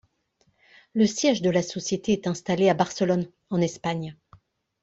Le siège de la société est installé à Barcelone en Espagne.